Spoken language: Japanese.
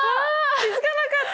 気付かなかった！